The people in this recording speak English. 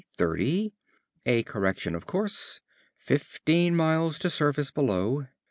Thirty. A correction of course. Fifteen miles to surface below.